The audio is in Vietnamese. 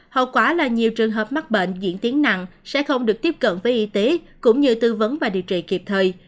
hậu quả là nhiều trường hợp mắc bệnh diễn tiến nặng sẽ không được tiếp cận với y tế cũng như tư vấn và điều trị kịp thời